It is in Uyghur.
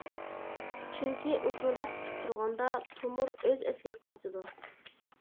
چۈنكى ئۇزۇنراق تۇتۇپ تۇرغاندا تومۇر ئۆز ئەسلىگە قايتىدۇ.